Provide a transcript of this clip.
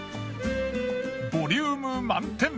ボリューム満点！